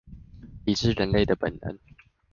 抵制人類的本能